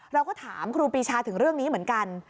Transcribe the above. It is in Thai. เราก็ถามครูปีชาถึงเรื่องนี้เหมือนกัน